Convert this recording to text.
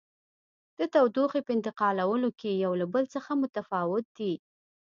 د تودوخې په انتقالولو کې یو له بل څخه متفاوت دي.